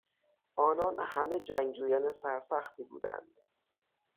آنان همه جنگجویان سرسختی بودند.